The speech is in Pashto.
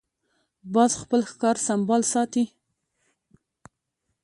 باز خپل ښکار سمبال ساتي